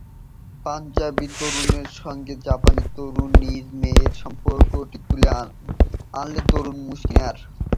পাঞ্জাবি তরুণের সঙ্গে জাপানি তরুণীর প্রেমের সম্পর্কটি তুলে আনলেন দারুণ মুনশিয়ানায়।